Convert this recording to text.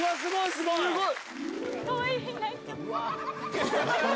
すごい！